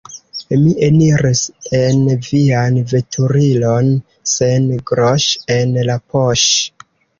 Mi eniris en vian veturilon sen groŝ' en la poŝ'